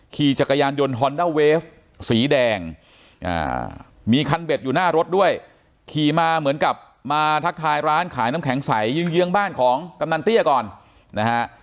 ขี่จักรยานยนต์ฮอนด้าเวฟสีแดงมีคันเบ็ดอยู่หน้ารถด้วยขี่มาเหมือนกับมาทักทายร้านขายน้ำแข็งใสเยื้องบ้านของกำนันเตี้ยก่อนนะฮะ